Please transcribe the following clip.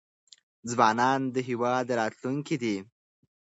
ځوانان د هیواد راتلونکی دی.